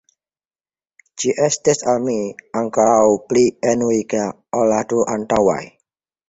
Ĝi estis al mi ankoraŭ pli enuiga ol la du antaŭaj.